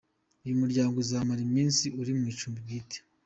Uyu muryango uzamara iminsi uri mu icumbi bwite.